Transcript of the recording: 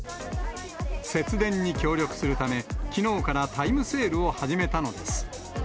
節電に協力するため、きのうからタイムセールを始めたのです。